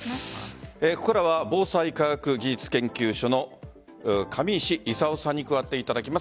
ここからは防災科学技術研究所の上石勲さんに加わっていただきます。